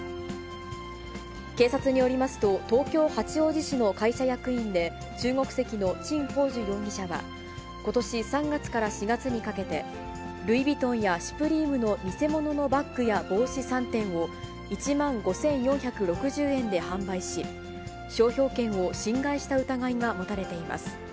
警察によりますと、東京・八王子市の会社役員で、中国籍の陳鳳珠容疑者は、ことし３月から４月にかけて、ルイ・ヴィトンやＳｕｐｒｅｍｅの偽物のバッグや帽子３点を１万５４６０円で販売し、商標権を侵害した疑いが持たれています。